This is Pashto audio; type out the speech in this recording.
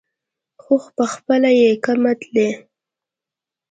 خو پخپله یې کمه تلي.